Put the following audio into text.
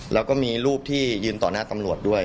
แล้วก็มีรูปที่ยืนต่อหน้าตำรวจด้วย